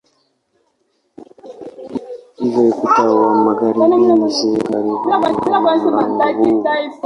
Hivyo ukuta wa magharibi ni sehemu ya karibu na mlango huu.